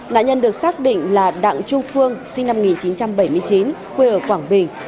nạn nhân được xác định là đặng trung phương sinh năm một nghìn chín trăm bảy mươi chín quê ở quảng bình